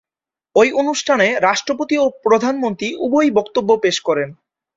ঐ অনুষ্ঠানে রাষ্ট্রপতি ও প্রধানমন্ত্রী উভয়েই বক্তব্য পেশ করেন।